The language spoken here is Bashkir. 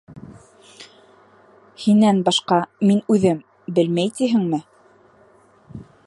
Һинән башҡа мин үҙем белмәй тиһеңме?